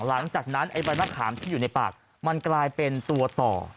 หลังจากนั้นไอ้ใบมะขามที่อยู่ในปากมันกลายเป็นตัวต่อ